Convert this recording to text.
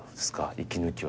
息抜きは。